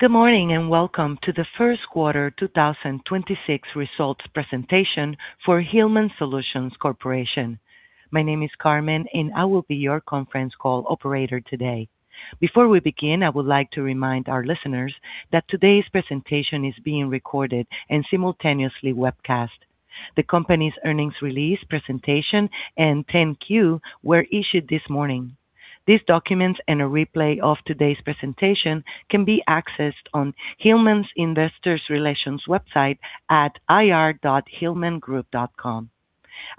Good morning, welcome to the First Quarter 2026 Results presentation for Hillman Solutions Corporation. My name is Carmen, I will be your conference call operator today. Before we begin, I would like to remind our listeners that today's presentation is being recorded and simultaneously webcast. The company's earnings release presentation and 10-Q were issued this morning. These documents and a replay of today's presentation can be accessed on Hillman's Investor Relations website at ir.hillmangroup.com.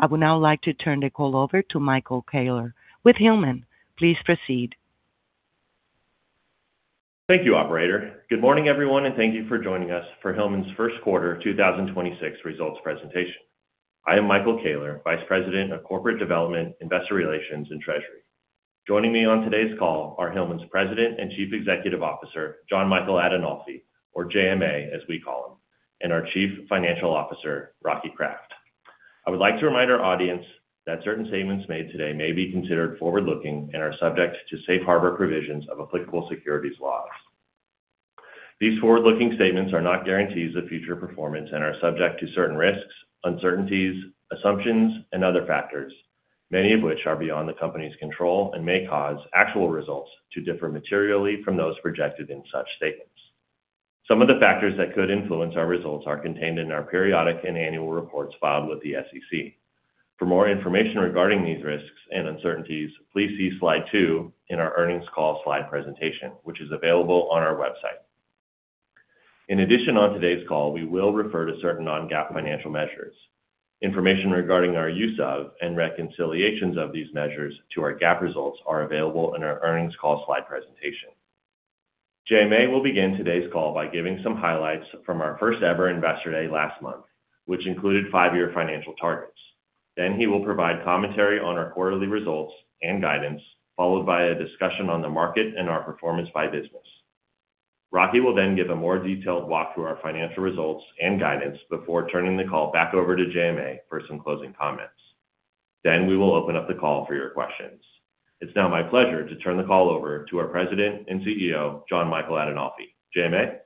I would now like to turn the call over to Michael Koehler with Hillman. Please proceed. Thank you, operator. Good morning, everyone, and thank you for joining us for Hillman's first quarter 2026 results presentation. I am Michael Koehler, Vice President of Corporate Development, Investor Relations, and Treasury. Joining me on today's call are Hillman's President and Chief Executive Officer, Jon Michael Adinolfi, or JMA as we call him, and our Chief Financial Officer, Rocky Kraft. I would like to remind our audience that certain statements made today may be considered forward-looking and are subject to safe harbor provisions of applicable securities laws. These forward-looking statements are not guarantees of future performance and are subject to certain risks, uncertainties, assumptions, and other factors, many of which are beyond the company's control and may cause actual results to differ materially from those projected in such statements. Some of the factors that could influence our results are contained in our periodic and annual reports filed with the SEC. For more information regarding these risks and uncertainties, please see slide two in our earnings call slide presentation, which is available on our website. In addition, on today's call, we will refer to certain non-GAAP financial measures. Information regarding our use of and reconciliations of these measures to our GAAP results are available in our earnings call slide presentation. JMA will begin today's call by giving some highlights from our first-ever Investor Day last month, which included five-year financial targets. He will provide commentary on our quarterly results and guidance, followed by a discussion on the market and our performance by business. Rocky will then give a more detailed walk through our financial results and guidance before turning the call back over to JMA for some closing comments. We will open up the call for your questions. It's now my pleasure to turn the call over to our President and CEO, Jon Michael Adinolfi. JMA?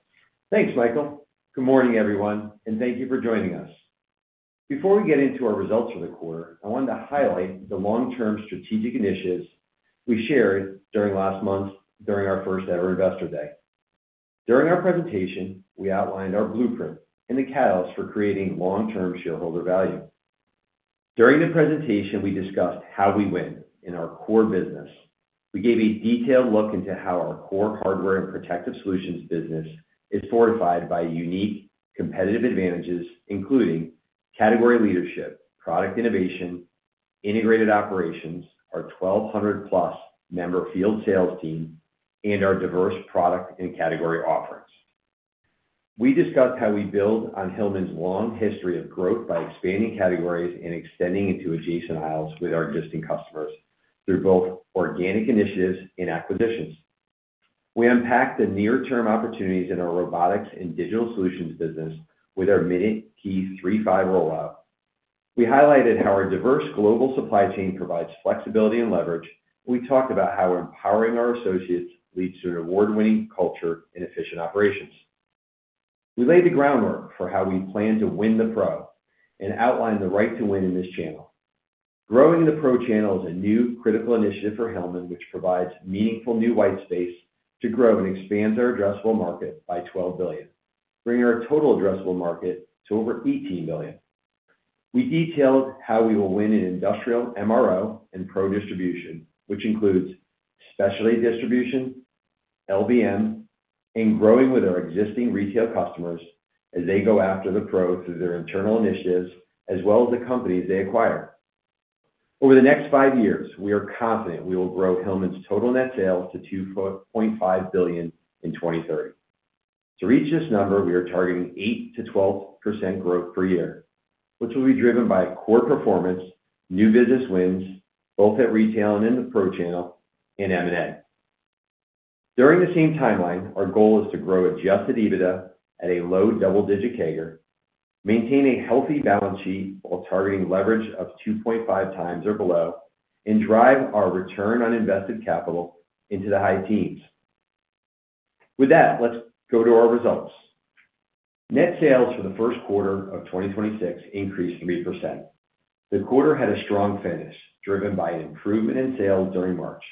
Thanks, Michael. Good morning, everyone, and thank you for joining us. Before we get into our results for the quarter, I wanted to highlight the long-term strategic initiatives we shared during our first-ever Investor Day. During our presentation, we outlined our blueprint and the catalyst for creating long-term shareholder value. During the presentation, we discussed how we win in our core business. We gave a detailed look into how our core Hardware and Protective Solutions business is fortified by unique competitive advantages, including category leadership, product innovation, integrated operations, our 1,200+ member field sales team, and our diverse product and category offerings. We discussed how we build on Hillman's long history of growth by expanding categories and extending into adjacent aisles with our existing customers through both organic initiatives and acquisitions. We unpacked the near-term opportunities in our Robotics and Digital Solutions business with our MinuteKey 3.5 rollout. We highlighted how our diverse global supply chain provides flexibility and leverage. We talked about how empowering our associates leads to an award-winning culture and efficient operations. We laid the groundwork for how we plan to win the pro and outlined the right to win in this channel. Growing the pro channel is a new critical initiative for Hillman, which provides meaningful new white space to grow and expand our addressable market by $12 billion, bringing our total addressable market to over $18 billion. We detailed how we will win in industrial MRO and pro distribution, which includes specialty distribution, LBM, and growing with our existing retail customers as they go after the pro through their internal initiatives as well as the companies they acquire. Over the next five years, we are confident we will grow Hillman's total net sales to $2.5 billion in 2030. To reach this number, we are targeting 8%-12% growth per year, which will be driven by core performance, new business wins, both at retail and in the pro channel, and M&A. During the same timeline, our goal is to grow adjusted EBITDA at a low double-digit CAGR, maintain a healthy balance sheet while targeting leverage of 2.5x or below, and drive our return on invested capital into the high teens. With that, let's go to our results. Net sales for the first quarter of 2026 increased 3%. The quarter had a strong finish, driven by an improvement in sales during March.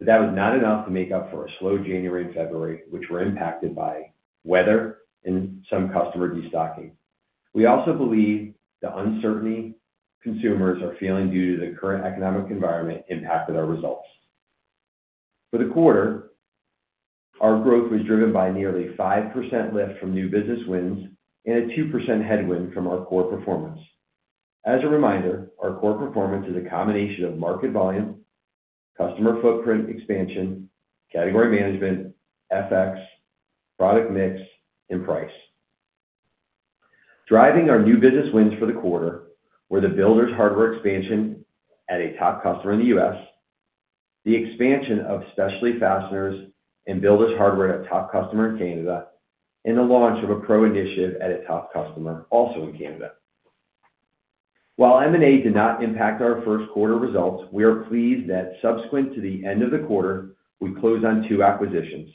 That was not enough to make up for a slow January and February, which were impacted by weather and some customer destocking. We also believe the uncertainty consumers are feeling due to the current economic environment impacted our results. For the quarter, our growth was driven by nearly 5% lift from new business wins and a 2% headwind from our core performance. As a reminder, our core performance is a combination of market volume, customer footprint expansion, category management, FX, product mix, and price. Driving our new business wins for the quarter were the builder's hardware expansion at a top customer in the U.S., the expansion of specialty fasteners and builder's hardware at a top customer in Canada, the launch of a pro initiative at a top customer also in Canada. While M&A did not impact our first quarter results, we are pleased that subsequent to the end of the quarter, we closed on two acquisitions,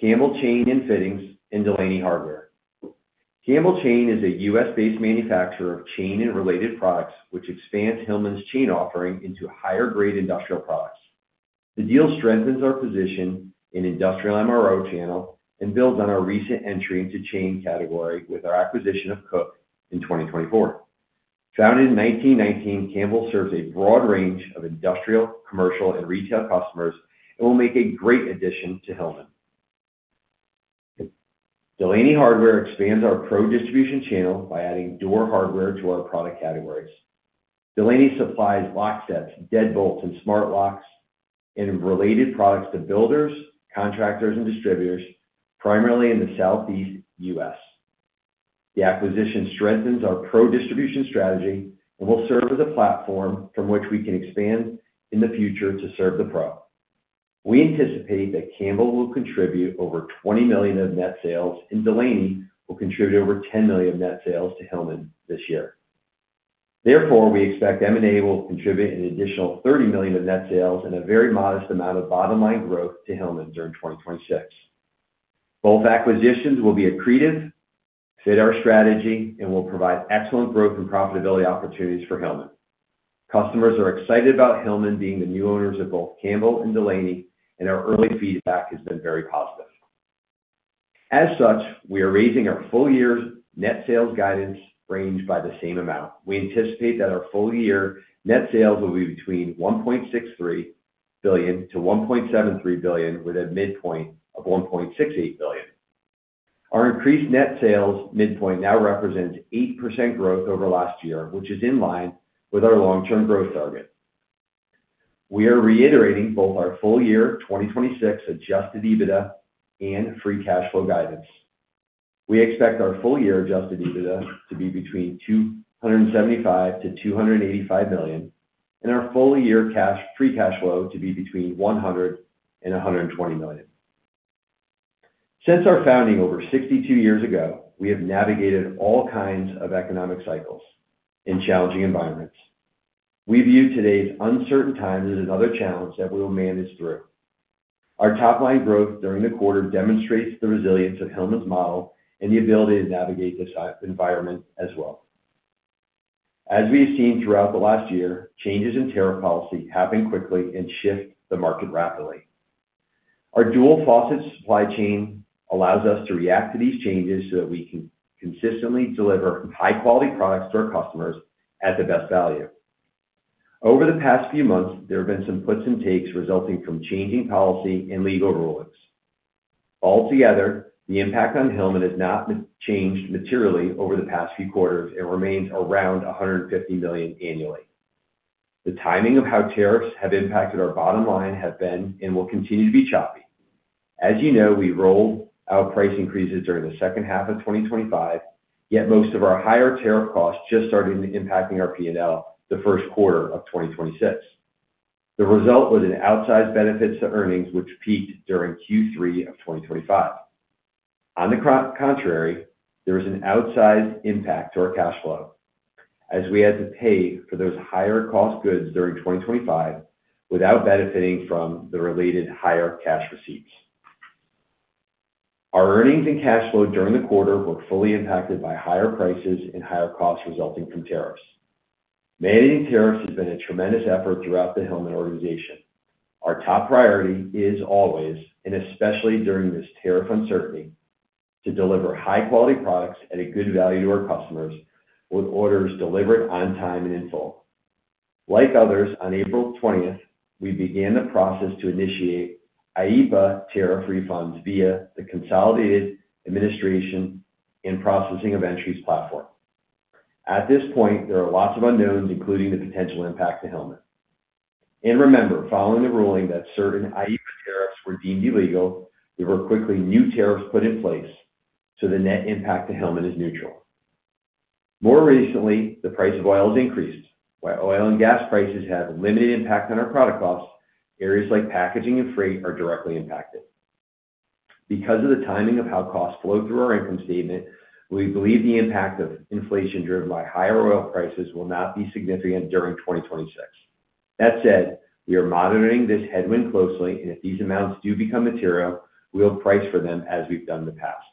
Campbell Chain & Fittings and Delaney Hardware. Campbell Chain is a U.S.-based manufacturer of chain and related products, which expands Hillman's chain offering into higher grade industrial products. The deal strengthens our position in industrial MRO channel and builds on our recent entry into chain category with our acquisition of Koch in 2024. Founded in 1919, Campbell serves a broad range of industrial, commercial, and retail customers and will make a great addition to Hillman. Delaney Hardware expands our pro distribution channel by adding door hardware to our product categories. Delaney supplies lock sets, deadbolts, and smart locks and related products to builders, contractors, and distributors, primarily in the Southeast U.S. The acquisition strengthens our pro distribution strategy and will serve as a platform from which we can expand in the future to serve the pro. We anticipate that Campbell will contribute over $20 million of net sales, and Delaney will contribute over $10 million net sales to Hillman this year. Therefore, we expect M&A will contribute an additional $30 million of net sales and a very modest amount of bottom-line growth to Hillman during 2026. Both acquisitions will be accretive, fit our strategy, and will provide excellent growth and profitability opportunities for Hillman. Customers are excited about Hillman being the new owners of both Campbell and Delaney, and our early feedback has been very positive. As such, we are raising our full year net sales guidance range by the same amount. We anticipate that our full year net sales will be between $1.63 billion-$1.73 billion, with a midpoint of $1.68 billion. Our increased net sales midpoint now represents 8% growth over last year, which is in line with our long-term growth target. We are reiterating both our full year 2026 Adjusted EBITDA and free cash flow guidance. We expect our full year adjusted EBITDA to be between $275 million-$285 million, and our full year free cash flow to be between $100 million-$120 million. Since our founding over 62 years ago, we have navigated all kinds of economic cycles and challenging environments. We view today's uncertain times as another challenge that we will manage through. Our top-line growth during the quarter demonstrates the resilience of Hillman's model and the ability to navigate this environment as well. As we have seen throughout the last year, changes in tariff policy happen quickly and shift the market rapidly. Our dual-faceted supply chain allows us to react to these changes so that we can consistently deliver high-quality products to our customers at the best value. Over the past few months, there have been some puts and takes resulting from changing policy and legal rulings. Altogether, the impact on Hillman has not been changed materially over the past few quarters and remains around $150 million annually. The timing of how tariffs have impacted our bottom line have been and will continue to be choppy. As you know, we rolled our price increases during the second half of 2025, yet most of our higher tariff costs just started impacting our P&L the first quarter of 2026. The result was an outsized benefits to earnings, which peaked during Q3 of 2025. On the contrary, there was an outsized impact to our cash flow as we had to pay for those higher cost goods during 2025 without benefiting from the related higher cash receipts. Our earnings and cash flow during the quarter were fully impacted by higher prices and higher costs resulting from tariffs. Managing tariffs has been a tremendous effort throughout the Hillman organization. Our top priority is always, and especially during this tariff uncertainty, to deliver high-quality products at a good value to our customers with orders delivered on time and in full. Like others, on April 20th, we began the process to initiate IEPA tariff refunds via the Consolidated Administration and Processing of Entries platform. At this point, there are lots of unknowns, including the potential impact to Hillman. Remember, following the ruling that certain IEPA tariffs were deemed illegal, there were quickly new tariffs put in place, so the net impact to Hillman is neutral. More recently, the price of oil has increased. While oil and gas prices have limited impact on our product costs, areas like packaging and freight are directly impacted. Because of the timing of how costs flow through our income statement, we believe the impact of inflation driven by higher oil prices will not be significant during 2026. With that said, we are monitoring this headwind closely, and if these amounts do become material, we'll price for them as we've done in the past.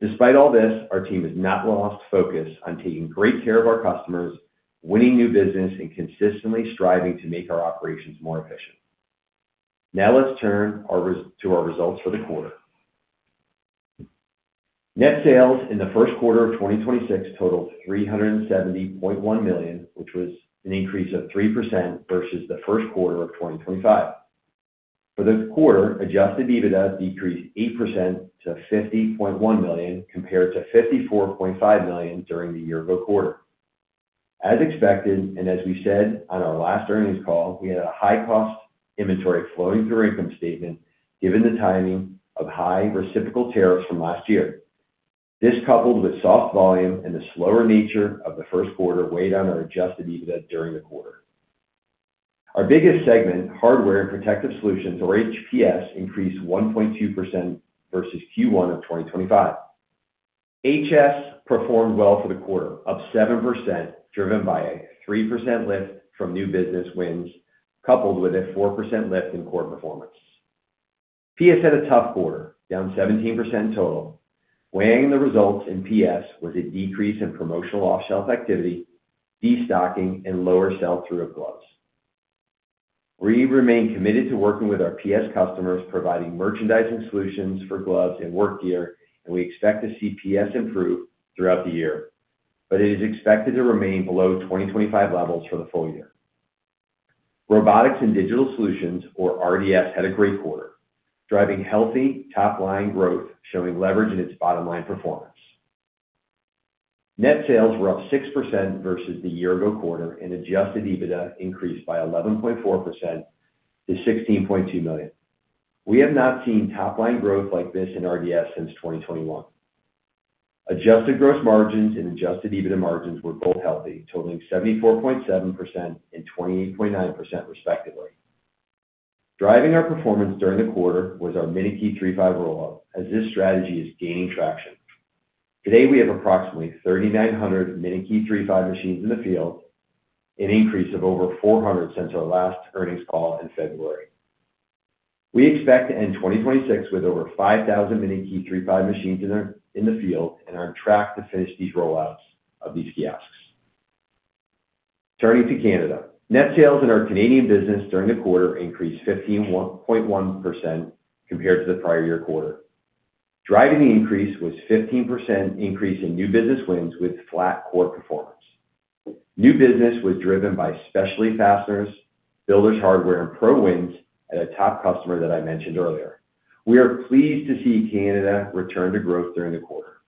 Despite all this, our team has not lost focus on taking great care of our customers, winning new business, and consistently striving to make our operations more efficient. Let's turn to our results for the quarter. Net sales in the first quarter of 2026 totaled $370.1 million, which was an increase of 3% versus the first quarter of 2025. For this quarter, ajusted EBITDA decreased 8% to $50.1 million compared to $54.5 million during the year-ago quarter. As expected, and as we said on our last earnings call, we had a high-cost inventory flowing through our income statement given the timing of high reciprocal tariffs from last year. This, coupled with soft volume and the slower nature of the first quarter, weighed on our adjusted EBITDA during the quarter. Our biggest segment, Hardware and Protective Solutions, or HPS, increased 1.2% versus Q1 of 2025. HS performed well for the quarter, up 7%, driven by a 3% lift from new business wins, coupled with a 4% lift in core performance. PS had a tough quarter, down 17% total. Weighing the results in PS was a decrease in promotional off-shelf activity, destocking, and lower sell-through of gloves. We remain committed to working with our PS customers, providing merchandising solutions for gloves and work gear, and we expect to see PS improve throughout the year, but it is expected to remain below 2025 levels for the full year. Robotics and Digital Solutions, or RDS, had a great quarter, driving healthy top-line growth, showing leverage in its bottom-line performance. Net sales were up 6% versus the year ago quarter and adjusted EBITDA increased by 11.4% to $16.2 million. We have not seen top-line growth like this in RDS since 2021. Adjusted gross margins and adjusted EBITDA margins were both healthy, totaling 74.7% and 28.9% respectively. Driving our performance during the quarter was our MinuteKey 3.5 rollout, as this strategy is gaining traction. Today, we have approximately 3,900 MinuteKey 3.5 machines in the field, an increase of over 400 since our last earnings call in February. We expect to end 2026 with over 5,000 MinuteKey 3.5 machines in the field and are on track to finish these rollouts of these kiosks. Turning to Canada. Net sales in our Canadian business during the quarter increased 15.1% compared to the prior year quarter. Driving the increase was 15% increase in new business wins with flat core performance. New business was driven by specialty fasteners, builder's hardware, and pro wins at a top customer that I mentioned earlier. We are pleased to see Canada return to growth during the quarter.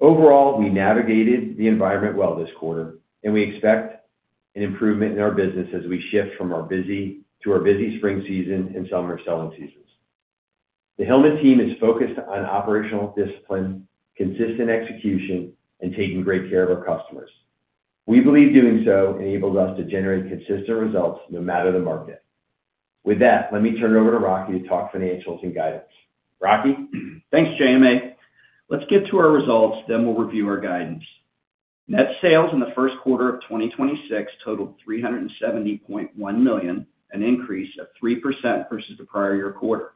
Overall, we navigated the environment well this quarter, and we expect an improvement in our business as we shift to our busy spring season and summer selling seasons. The Hillman team is focused on operational discipline, consistent execution, and taking great care of our customers. We believe doing so enables us to generate consistent results no matter the market. With that, let me turn it over to Rocky to talk financials and guidance. Rocky? Thanks, JMA. Let's get to our results, then we'll review our guidance. Net sales in the first quarter of 2026 totaled $370.1 million, an increase of 3% versus the prior year quarter.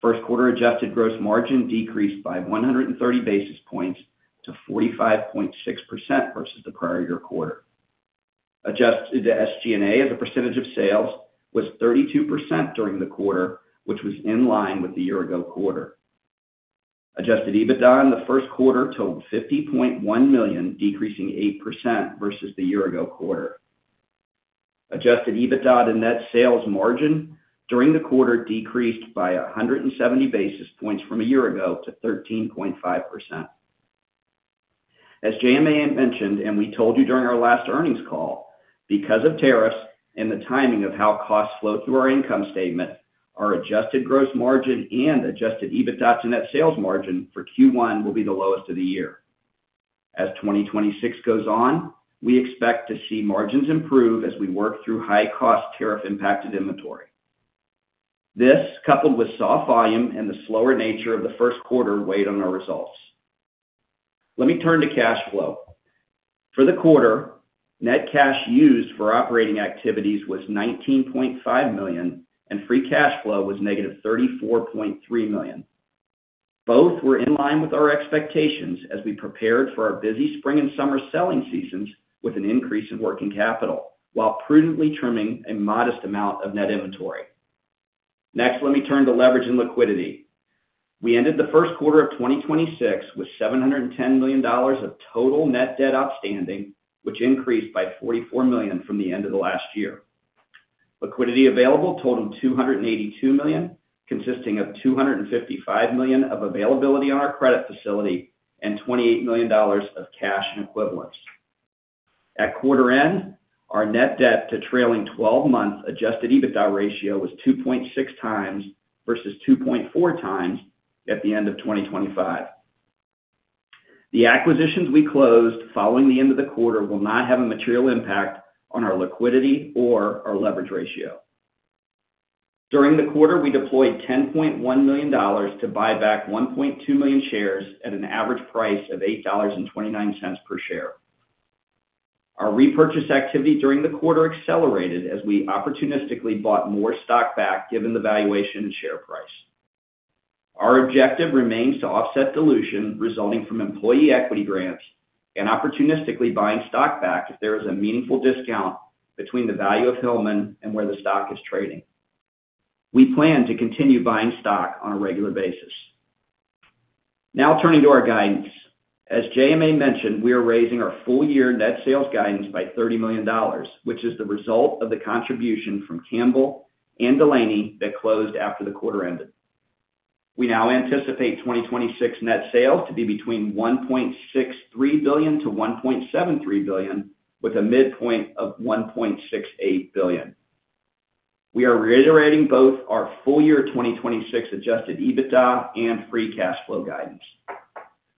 First quarter adjusted gross margin decreased by 130 basis points to 45.6% versus the prior year quarter. Adjusted SG&A as a percentage of sales was 32% during the quarter, which was in line with the year ago quarter. Adjusted EBITDA in the first quarter totaled $50.1 million, decreasing 8% versus the year ago quarter. Adjusted EBITDA to net sales margin during the quarter decreased by 170 basis points from a year ago to 13.5%. As JMA mentioned, and we told you during our last earnings call, because of tariffs and the timing of how costs flow through our income statement, our adjusted gross margin and adjusted EBITDA to net sales margin for Q1 will be the lowest of the year. As 2026 goes on, we expect to see margins improve as we work through high cost tariff impacted inventory. This, coupled with soft volume and the slower nature of the first quarter, weighed on our results. Let me turn to cash flow. For the quarter, net cash used for operating activities was $19.5 million, and free cash flow was -$34.3 million. Both were in line with our expectations as we prepared for our busy spring and summer selling seasons with an increase in working capital while prudently trimming a modest amount of net inventory. Let me turn to leverage and liquidity. We ended the first quarter of 2026 with $710 million of total net debt outstanding, which increased by $44 million from the end of the last year. Liquidity available totaled $282 million, consisting of $255 million of availability on our credit facility and $28 million of cash and equivalents. At quarter end, our net debt to trailing twelve-month Adjusted EBITDA ratio was 2.6x versus 2.4x at the end of 2025. The acquisitions we closed following the end of the quarter will not have a material impact on our liquidity or our leverage ratio. During the quarter, we deployed $10.1 million to buy back 1.2 million shares at an average price of $8.29 per share. Our repurchase activity during the quarter accelerated as we opportunistically bought more stock back given the valuation and share price. Our objective remains to offset dilution resulting from employee equity grants and opportunistically buying stock back if there is a meaningful discount between the value of Hillman and where the stock is trading. We plan to continue buying stock on a regular basis. Now turning to our guidance. As JMA mentioned, we are raising our full-year net sales guidance by $30 million, which is the result of the contribution from Campbell and Delaney that closed after the quarter ended. We now anticipate 2026 net sales to be between $1.63 billion-$1.73 billion, with a midpoint of $1.68 billion. We are reiterating both our full year 2026 adjusted EBITDA and free cash flow guidance.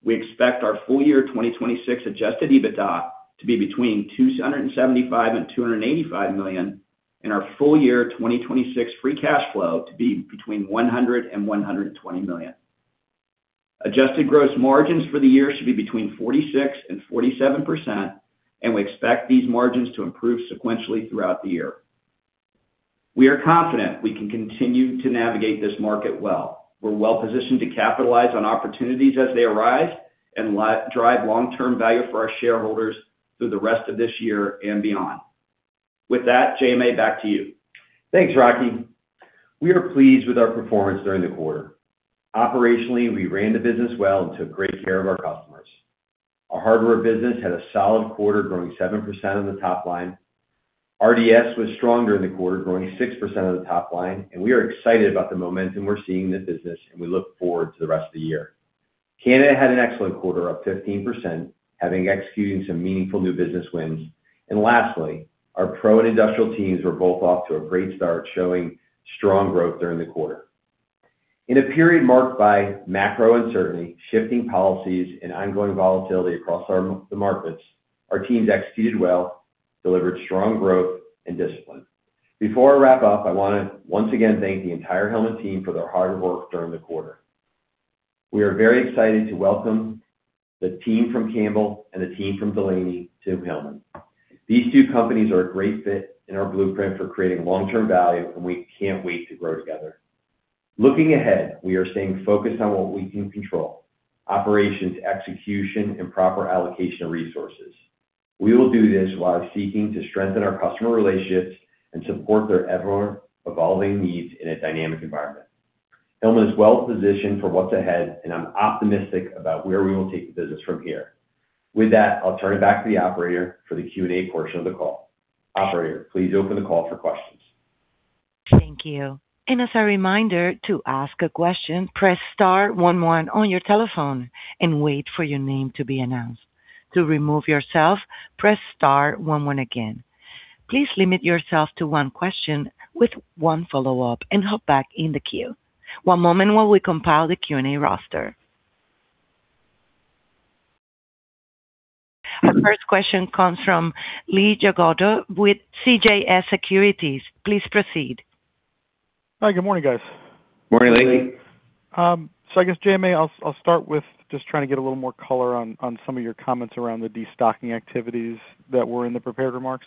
We expect our full year 2026 adjusted EBITDA to be between $275 million and $285 million and our full year 2026 free cash flow to be between $100 million and $120 million. Adjusted gross margins for the year should be between 46% and 47%. We expect these margins to improve sequentially throughout the year. We are confident we can continue to navigate this market well. We're well-positioned to capitalize on opportunities as they arise and drive long-term value for our shareholders through the rest of this year and beyond. With that, JMA, back to you. Thanks, Rocky. We are pleased with our performance during the quarter. Operationally, we ran the business well and took great care of our customers. Our hardware business had a solid quarter, growing 7% on the top line. RDS was stronger in the quarter, growing 6% on the top line, and we are excited about the momentum we're seeing in the business, and we look forward to the rest of the year. Canada had an excellent quarter, up 15%, having executed some meaningful new business wins. Lastly, our pro and industrial teams were both off to a great start, showing strong growth during the quarter. In a period marked by macro uncertainty, shifting policies, and ongoing volatility across the markets, our teams executed well, delivered strong growth and discipline. Before I wrap up, I want to once again thank the entire Hillman team for their hard work during the quarter. We are very excited to welcome the team from Campbell and the team from Delaney to Hillman. These two companies are a great fit in our blueprint for creating long-term value, and we can't wait to grow together. Looking ahead, we are staying focused on what we can control: operations, execution, and proper allocation of resources. We will do this while seeking to strengthen our customer relationships and support their ever-evolving needs in a dynamic environment. Hillman is well positioned for what's ahead, and I'm optimistic about where we will take the business from here. With that, I'll turn it back to the operator for the Q&A portion of the call. Operator, please open the call for questions. Thank you. As a reminder, to ask a question, press star one one on your telephone and wait for your name to be announced. To remove yourself, press star one one again. Please limit yourself to one question with one follow-up and hop back in the queue. One moment while we compile the Q&A roster. Our first question comes from Lee Jagoda with CJS Securities. Please proceed. Hi. Good morning, guys. Morning, Lee. Good morning. I guess, JMA, I'll start with just trying to get a little more color on some of your comments around the destocking activities that were in the prepared remarks.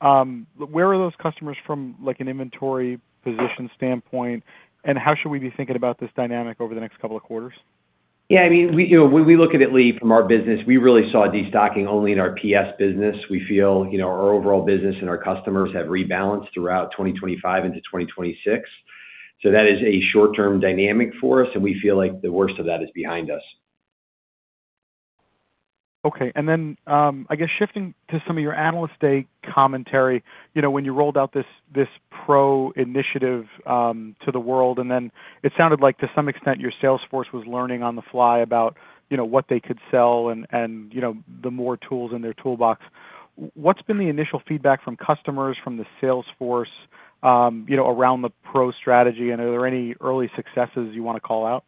Where are those customers from, like an inventory position standpoint, and how should we be thinking about this dynamic over the next couple of quarters? Yeah, I mean, we, you know, when we look at it, Lee, from our business, we really saw destocking only in our PS business. We feel, you know, our overall business and our customers have rebalanced throughout 2025 into 2026. That is a short-term dynamic for us, and we feel like the worst of that is behind us. Okay. I guess shifting to some of your Analyst Day commentary, you know, when you rolled out this Pro initiative to the world, and then it sounded like to some extent your sales force was learning on the fly about, you know, what they could sell and, you know, the more tools in their toolbox. What's been the initial feedback from customers from the sales force, you know, around the Pro strategy, and are there any early successes you wanna call out?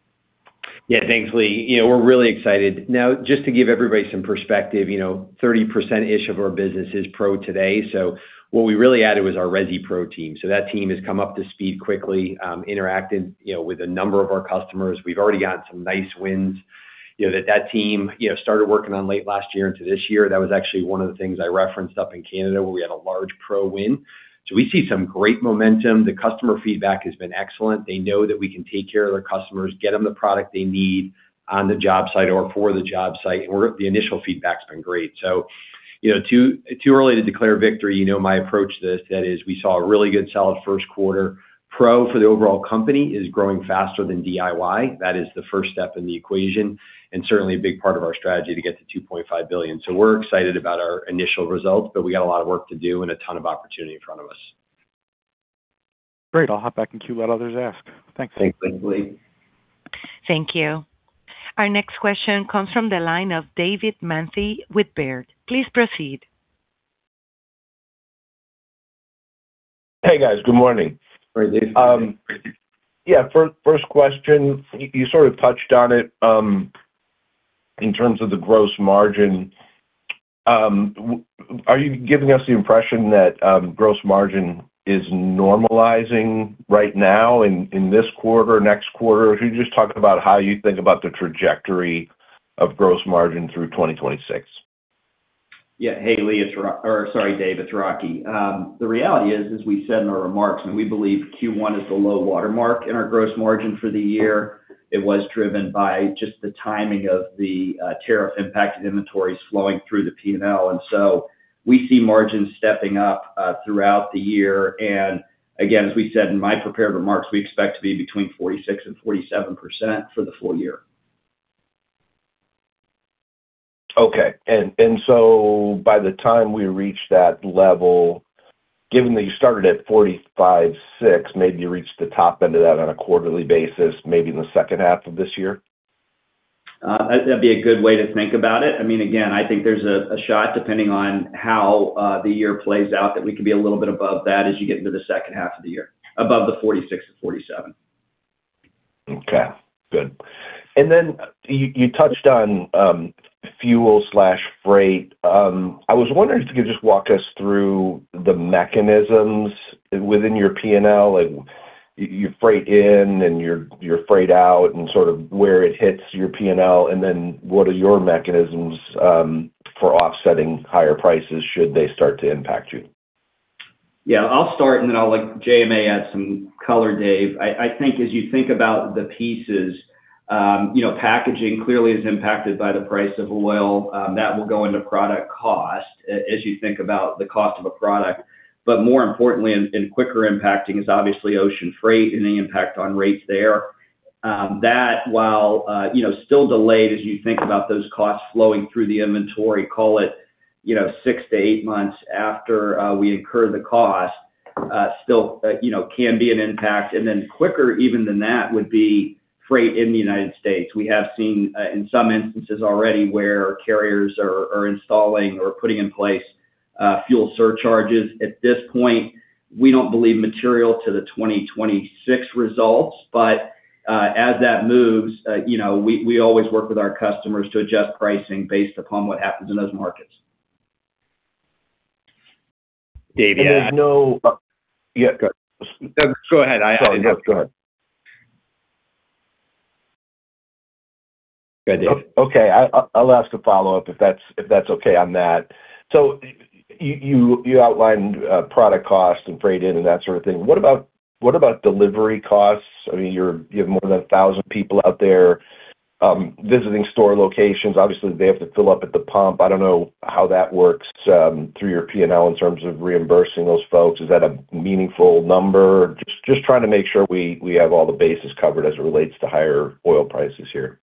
Yeah, thanks, Lee. You know, we're really excited. Now, just to give everybody some perspective, you know, 30%-ish of our business is pro today. What we really added was our resi pro team. That team has come up to speed quickly, interacted, you know, with a number of our customers. We've already gotten some nice wins. You know, that team, you know, started working on late last year into this year. That was actually one of the things I referenced up in Canada, where we had a large pro win. We see some great momentum. The customer feedback has been excellent. They know that we can take care of their customers, get them the product they need on the job site or for the job site, or the initial feedback's been great. You know, too early to declare victory. You know my approach to this. That is, we saw a really good solid first quarter. Pro for the overall company is growing faster than DIY. That is the first step in the equation and certainly a big part of our strategy to get to $2.5 billion. We're excited about our initial results, but we got a lot of work to do and a ton of opportunity in front of us. Great. I'll hop back in queue, let others ask. Thanks. Thanks, Lee. Thank you. Our next question comes from the line of David Manthey with Baird. Please proceed. Hey, guys. Good morning. Morning, David. Yeah, first question, you sort of touched on it, in terms of the gross margin. Are you giving us the impression that gross margin is normalizing right now in this quarter, next quarter? Could you just talk about how you think about the trajectory of gross margin through 2026? Yeah. Hey, Lee, or sorry, Dave, it's Rocky. The reality is, as we said in our remarks, we believe Q1 is the low water mark in our gross margin for the year. It was driven by just the timing of the tariff impact of inventory flowing through the P&L. We see margins stepping up throughout the year. Again, as we said in my prepared remarks, we expect to be between 46% and 47% for the full year. Okay. By the time we reach that level, given that you started at 45.6%, maybe you reach the top end of that on a quarterly basis, maybe in the second half of this year? That'd be a good way to think about it. I mean, again, I think there's a shot, depending on how the year plays out, that we could be a little bit above that as you get into the second half of the year, above the 46%, 47%. Okay. Good. You touched on fuel/freight. I was wondering if you could just walk us through the mechanisms within your P&L, like your freight in and your freight out and sort of where it hits your P&L, and then what are your mechanisms for offsetting higher prices should they start to impact you? Yeah. I'll start, and then I'll let JMA add some color, Dave. I think as you think about the pieces, you know, packaging clearly is impacted by the price of oil, that will go into product cost as you think about the cost of a product. More importantly and quicker impacting is obviously ocean freight and the impact on rates there. That while, you know, still delayed, as you think about those costs flowing through the inventory, call it, you know, six to eight months after we incur the cost, still, you know, can be an impact. Quicker even than that would be freight in the U.S. We have seen in some instances already where carriers are installing or putting in place fuel surcharges. At this point, we don't believe material to the 2026 results, but as that moves, you know, we always work with our customers to adjust pricing based upon what happens in those markets. Dave, yeah. There's no. Yeah, go. No, go ahead. Sorry. Yeah, go ahead. Go ahead, Dave. Okay. I'll ask a follow-up if that's okay on that. You outlined product costs and freight in and that sort of thing. What about, what about delivery costs? I mean, you have more than 1,000 people out there visiting store locations. Obviously, they have to fill up at the pump. I don't know how that works through your P&L in terms of reimbursing those folks. Is that a meaningful number? Just trying to make sure we have all the bases covered as it relates to higher oil prices here.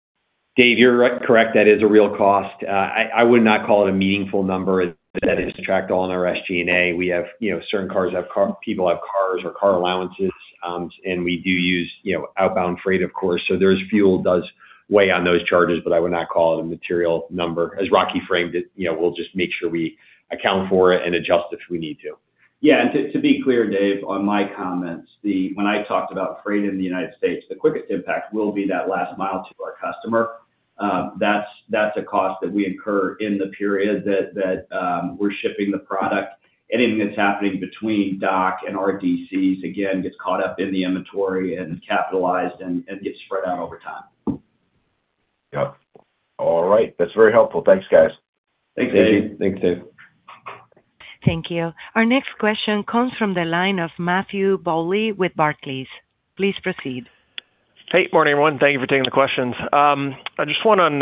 Dave, you're correct. That is a real cost. I would not call it a meaningful number. That is tracked all in our SG&A. We have, you know, certain cars have people have cars or car allowances, and we do use, you know, outbound freight, of course. There's fuel does weigh on those charges, but I would not call it a material number. As Rocky framed it, you know, we'll just make sure we account for it and adjust if we need to. Yeah. To, to be clear, Dave, on my comments, when I talked about freight in the United States, the quickest impact will be that last mile to our customer. That's a cost that we incur in the period that we're shipping the product. Anything that's happening between dock and our DCs, again, gets caught up in the inventory and is capitalized and gets spread out over time. Yep. All right. That's very helpful. Thanks, guys. Thanks, Dave. Thanks, Dave. Thank you. Our next question comes from the line of Matthew Bouley with Barclays. Please proceed. Hey, morning, everyone. Thank you for taking the questions. I just want on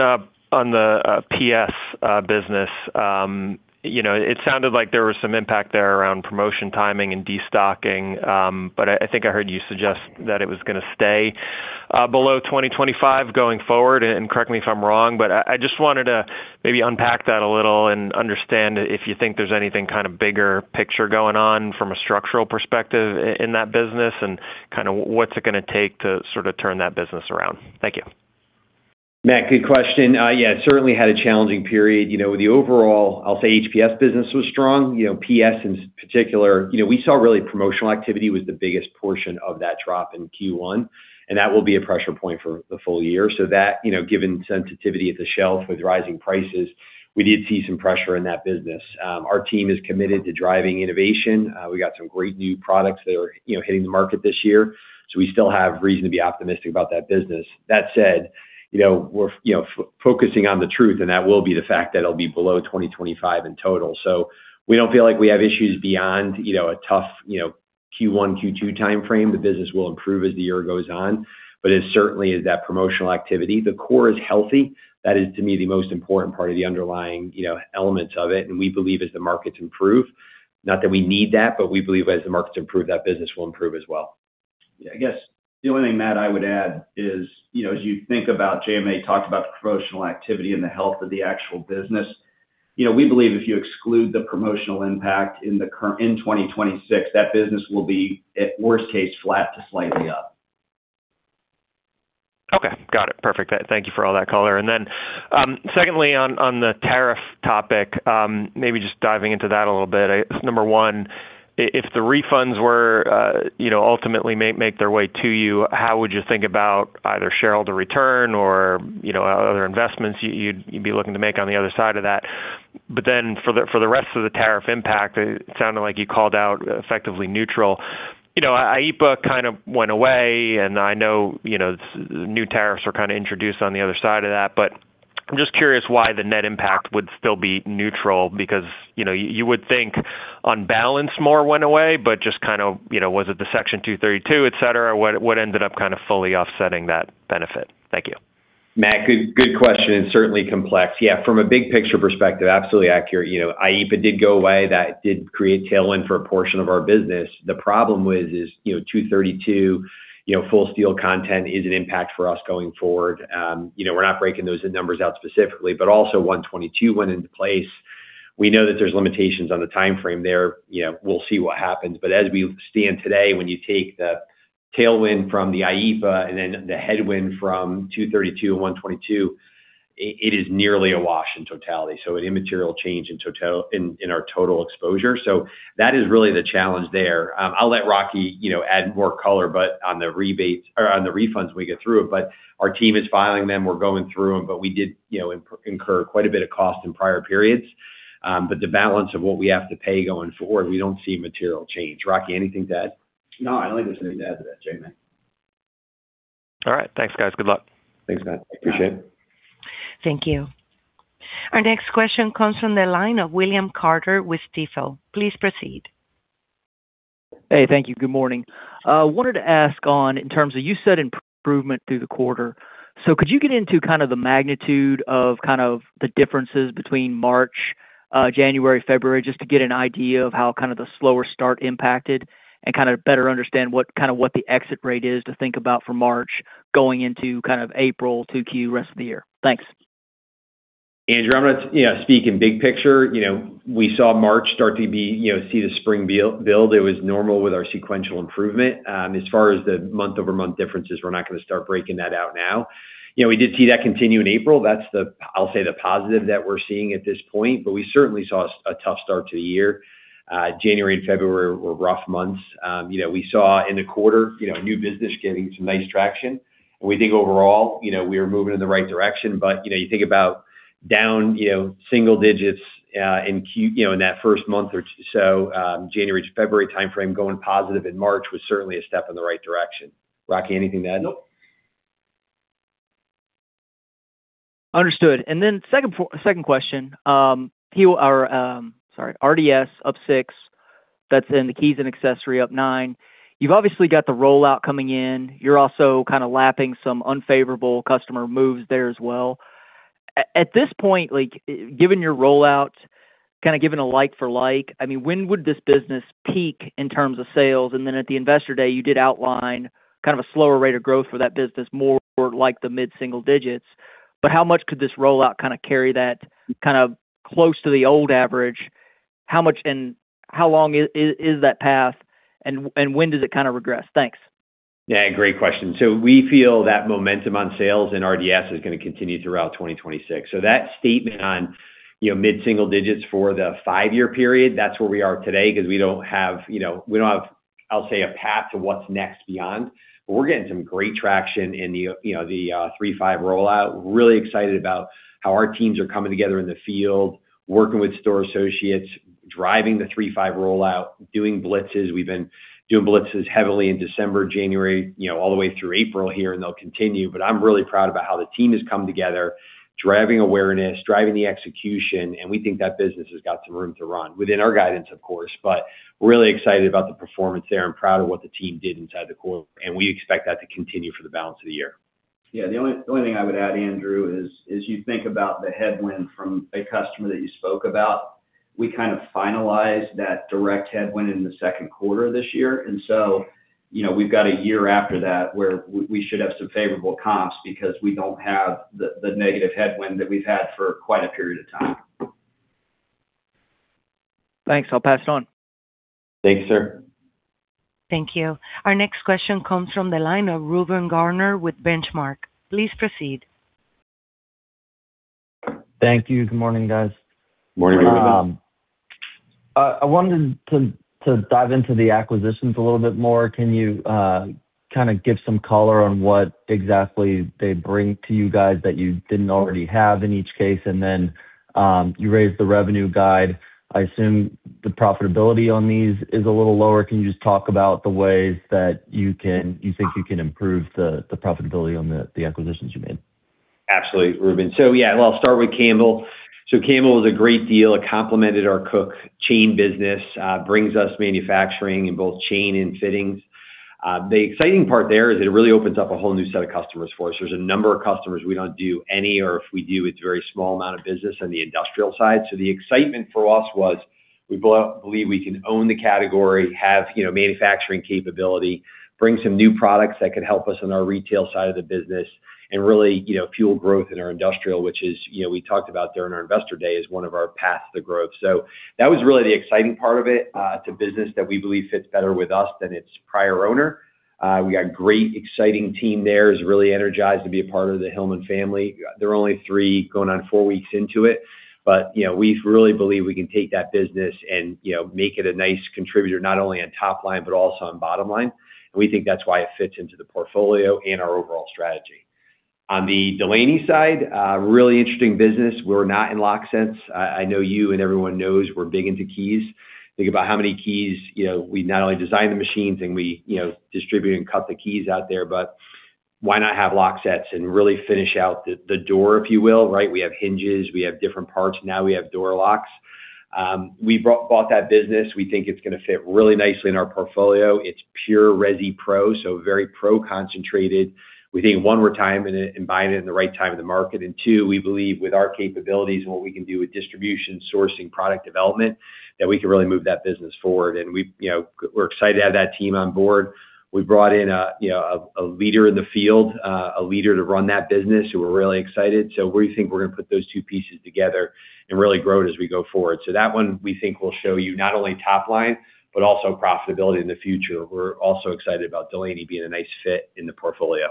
on the PS business, you know, it sounded like there was some impact there around promotion timing and destocking, but I think I heard you suggest that it was gonna stay below 2025 going forward, and correct me if I'm wrong. I just wanted to maybe unpack that a little and understand if you think there's anything kind of bigger picture going on from a structural perspective in that business and kinda what's it gonna take to sort of turn that business around. Thank you. Matthew, good question. Yeah, certainly had a challenging period. The overall, I'll say HPS business was strong. PS in particular, we saw really promotional activity was the biggest portion of that drop in Q1, and that will be a pressure point for the full year. That, given sensitivity at the shelf with rising prices, we did see some pressure in that business. Our team is committed to driving innovation. We got some great new products that are hitting the market this year. We still have reason to be optimistic about that business. That said, we're focusing on the truth, and that will be the fact that it'll be below 2025 in total. We don't feel like we have issues beyond a tough Q1, Q2 timeframe. The business will improve as the year goes on. It certainly is that promotional activity. The core is healthy. That is, to me, the most important part of the underlying, you know, elements of it. We believe as the markets improve, not that we need that, but we believe as the markets improve, that business will improve as well. Yeah, I guess the only thing, Matt, I would add is, you know, as you think about JMA talked about the promotional activity and the health of the actual business, you know, we believe if you exclude the promotional impact in 2026, that business will be, at worst case, flat to slightly up. Okay. Got it. Perfect. Thank you for all that color. Secondly, on the tariff topic, maybe just diving into that a little bit. So number one, if the refunds were, you know, ultimately make their way to you, how would you think about either shareholder return or, you know, other investments you'd be looking to make on the other side of that? For the, for the rest of the tariff impact, it sounded like you called out effectively neutral. You know, IEPA kind of went away and I know, you know, new tariffs were kind of introduced on the other side of that. I'm just curious why the net impact would still be neutral because, you know, you would think on balance more went away, just kind of, you know, was it the Section 232, et cetera? What ended up kind of fully offsetting that benefit? Thank you. Matt, good question. It's certainly complex. Yeah, from a big picture perspective, absolutely accurate. You know, IEPA did go away. That did create tailwind for a portion of our business. The problem was, is, you know, 232, you know, full steel content is an impact for us going forward. You know, we're not breaking those numbers out specifically, but also 122 went into place. We know that there's limitations on the timeframe there. You know, we'll see what happens. As we stand today, when you take the tailwind from the IEPA and then the headwind from 232 and 122, it is nearly a wash in totality, so an immaterial change in our total exposure. That is really the challenge there. I'll let Rocky, you know, add more color, but on the refunds we get through it. Our team is filing them, we're going through them, but we did, you know, incur quite a bit of cost in prior periods. The balance of what we have to pay going forward, we don't see material change. Rocky, anything to add? No, I don't think there's anything to add to that, JMA. All right. Thanks, guys. Good luck. Thanks, Matthew. Appreciate it. Yeah. Thank you. Our next question comes from the line of William Carter with Stifel. Please proceed. Hey, thank you. Good morning. Wanted to ask, in terms of you said improvement through the quarter. Could you get into the magnitude of the differences between March, January, February, just to get an idea of how the slower start impacted and better understand what the exit rate is to think about for March going into April, 2Q, rest of the year? Thanks. Andrew, I'm gonna, you know, speak in big picture. You know, we saw March start to be, you know, see the spring build. It was normal with our sequential improvement. As far as the month-over-month differences, we're not gonna start breaking that out now. You know, we did see that continue in April. That's the, I'll say, the positive that we're seeing at this point. We certainly saw a tough start to the year. January and February were rough months. You know, we saw in the quarter, you know, new business getting some nice traction, and we think overall, you know, we are moving in the right direction. You know, you think about down, you know, single digits, in that first month or so, January to February timeframe, going positive in March was certainly a step in the right direction. Rocky, anything to add? Nope. Understood. Second question. RDS up six. That's in the keys and accessory up nine. You've obviously got the rollout coming in. You're also kinda lapping some unfavorable customer moves there as well. At this point, like, given your rollout, kinda given a like for like, I mean, when would this business peak in terms of sales? At the Investor Day, you did outline kind of a slower rate of growth for that business, more like the mid-single digits. How much could this rollout kinda carry that kind of close to the old average? How much and how long is that path and when does it kinda regress? Thanks. Yeah, great question. We feel that momentum on sales in RDS is gonna continue throughout 2026. That statement on, you know, mid-single digits for the five-year period, that's where we are today 'cause we don't have, you know, we don't have, I'll say, a path to what's next beyond. We're getting some great traction in the, you know, the 3.5 rollout. Really excited about how our teams are coming together in the field, working with store associates, driving the 3.5 rollout, doing blitzes. We've been doing blitzes heavily in December, January, you know, all the way through April here, and they'll continue. I'm really proud about how the team has come together, driving awareness, driving the execution, and we think that business has got some room to run within our guidance, of course. We're really excited about the performance there and proud of what the team did inside the core, and we expect that to continue for the balance of the year. Yeah. The only thing I would add, Andrew, is, as you think about the headwind from a customer that you spoke about, we kind of finalized that direct headwind in the second quarter this year. You know, we've got a year after that where we should have some favorable comps because we don't have the negative headwind that we've had for quite a period of time. Thanks. I'll pass it on. Thank you, sir. Thank you. Our next question comes from the line of Reuben Garner with Benchmark. Please proceed. Thank you. Good morning, guys. Morning, Reuben. I wanted to dive into the acquisitions a little bit more. Can you kinda give some color on what exactly they bring to you guys that you didn't already have in each case? Then you raised the revenue guide. I assume the profitability on these is a little lower. Can you just talk about the ways that you think you can improve the profitability on the acquisitions you made? Absolutely, Reuben. I'll start with Campbell. Campbell was a great deal. It complemented our Koch chain business, brings us manufacturing in both chain and fittings. The exciting part there is it really opens up a whole new set of customers for us. There's a number of customers we don't do any, or if we do, it's a very small amount of business on the industrial side. The excitement for us was, we believe we can own the category, have, you know, manufacturing capability, bring some new products that could help us on our retail side of the business, and really, you know, fuel growth in our industrial, which is, you know, we talked about during our Investor Day as one of our paths to growth. That was really the exciting part of it's a business that we believe fits better with us than its prior owner. We got great exciting team there, is really energized to be a part of the Hillman family. They're only three, going on four weeks into it, but, you know, we really believe we can take that business and, you know, make it a nice contributor not only on top line, but also on bottom line. We think that's why it fits into the portfolio and our overall strategy. On the Delaney side, really interesting business. We're not in lock sets. I know you and everyone knows we're big into keys. Think about how many keys, you know, we not only design the machines and we, you know, distribute and cut the keys out there, but why not have lock sets and really finish out the door, if you will, right? We have hinges, we have different parts. Now we have door locks. We bought that business. We think it's gonna fit really nicely in our portfolio. It's pure resi pro, so very pro concentrated. We think, one, we're timing it and buying it in the right time in the market. Two, we believe with our capabilities and what we can do with distribution, sourcing, product development, that we can really move that business forward. We, you know, we're excited to have that team on board. We brought in a, you know, a leader in the field, a leader to run that business who we're really excited. We think we're gonna put those two pieces together and really grow it as we go forward. That one we think will show you not only top line, but also profitability in the future. We're also excited about Delaney being a nice fit in the portfolio.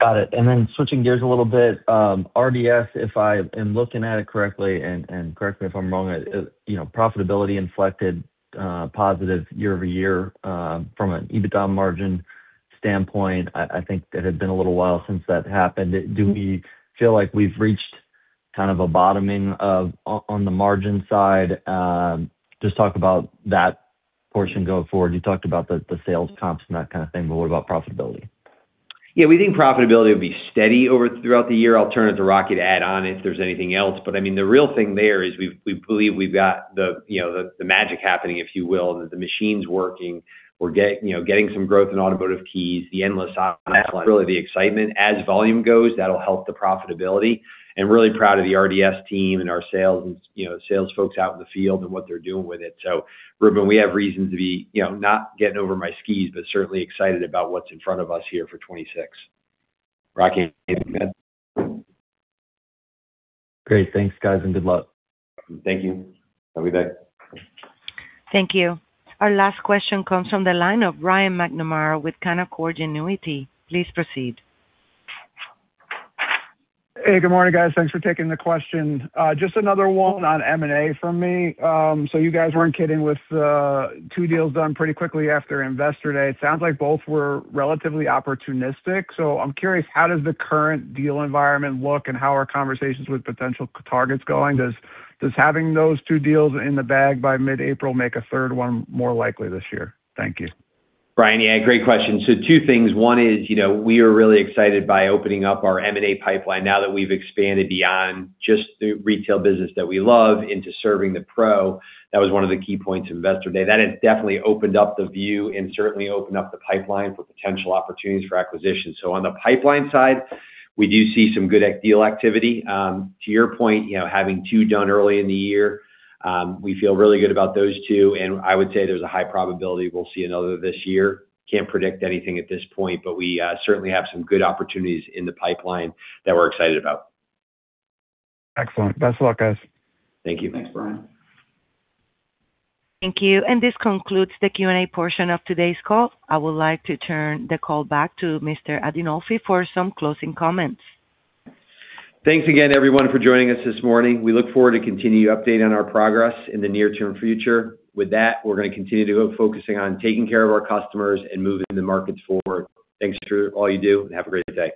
Got it. Then switching gears a little bit, RDS, if I am looking at it correctly and correct me if I'm wrong, you know, profitability inflected positive year-over-year from an EBITDA margin standpoint. I think it had been a little while since that happened. Do we feel like we've reached kind of a bottoming on the margin side? Just talk about that portion going forward. You talked about the sales comps and that kind of thing, but what about profitability? Yeah, we think profitability will be steady over throughout the year. I'll turn it to Rocky to add on if there's anything else. I mean, the real thing there is we believe we've got the, you know, the magic happening, if you will, and that the machine's working. We're getting some growth in automotive keys, the endless aisle. That's really the excitement. As volume goes, that'll help the profitability. Really proud of the RDS team and our sales and, you know, sales folks out in the field and what they're doing with it. Reuben, we have reason to be, you know, not getting over my skis, but certainly excited about what's in front of us here for 2026. Rocky, anything to add? Great. Thanks, guys, and good luck. Thank you. Have a good day. Thank you. Our last question comes from the line of Brian McNamara with Canaccord Genuity. Please proceed. Hey, good morning, guys. Thanks for taking the question. Just another one on M&A from me. You guys weren't kidding with the two deals done pretty quickly after Investor Day. It sounds like both were relatively opportunistic. I'm curious, how does the current deal environment look, and how are conversations with potential targets going? Does having those two deals in the bag by mid-April make a third one more likely this year? Thank you. Brian, yeah, great question. Two things. One is, you know, we are really excited by opening up our M&A pipeline now that we've expanded beyond just the retail business that we love into serving the pro. That was one of the key points of Investor Day. That has definitely opened up the view and certainly opened up the pipeline for potential opportunities for acquisition. On the pipeline side, we do see some good deal activity. To your point, you know, having two done early in the year, we feel really good about those two, and I would say there's a high probability we'll see another this year. Can't predict anything at this point, but we certainly have some good opportunities in the pipeline that we're excited about. Excellent. Best of luck, guys. Thank you. Thanks, Brian. Thank you. This concludes the Q&A portion of today's call. I would like to turn the call back to Mr. Adinolfi for some closing comments. Thanks again, everyone, for joining us this morning. We look forward to continue to update on our progress in the near-term future. We're gonna continue to go focusing on taking care of our customers and moving the markets forward. Thanks for all you do, and have a great day.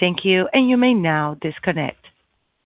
Thank you. You may now disconnect.